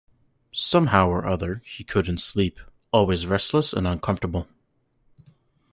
Somehow or other he couldn’t sleep — always restless and uncomfortable.